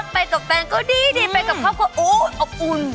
ไปกับแฟนก็ดีดีไปกับครอบครัวโอ้อบอุ่น